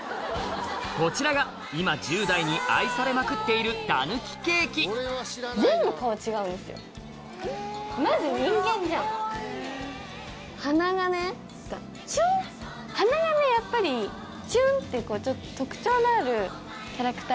こちらが今１０代に愛されまくっているたぬきケーキ鼻がねチュンって。